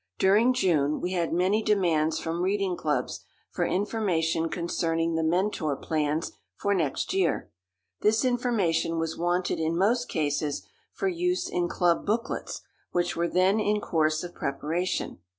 During June we had many demands from reading clubs for information concerning The Mentor plans for next year. This information was wanted in most cases for use in club booklets which were then in course of preparation.